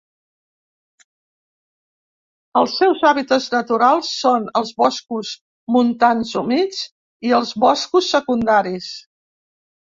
Els seus hàbitats naturals són els boscos montans humits i els boscos secundaris.